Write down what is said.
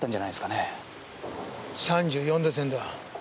３４度線だ。